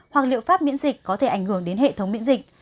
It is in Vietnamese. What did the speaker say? hoặc liệu pháp miễn dịch có thể ảnh hưởng đến hệ thống miễn dịch